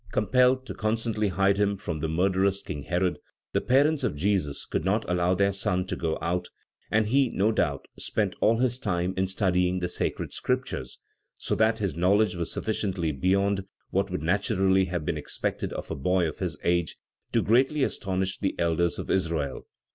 Compelled to constantly hide him from the murderous King Herod, the parents of Jesus could not allow their son to go out, and he, no doubt, spent all his time in studying the sacred Scriptures, so that his knowledge was sufficiently beyond what would naturally have been expected of a boy of his age to greatly astonish the elders of Israel.